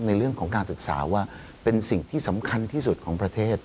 ในเรื่องของการศึกษาว่าเป็นสิ่งที่สำคัญที่สุดของประเทศ